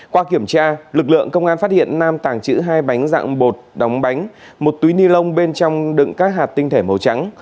qua kiểm tra lực lượng công an phát hiện nam tàng trữ hai bánh dạng bột đóng bánh một túi ni lông bên trong đựng các hạt tinh thể màu trắng